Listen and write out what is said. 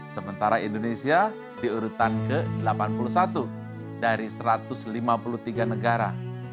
sementara indonesia diurutan ke delapan puluh satu dari satu ratus lima puluh tiga negara